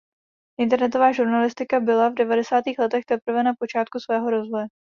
Internetová žurnalistika byla v devadesátých letech teprve na počátku svého rozvoje.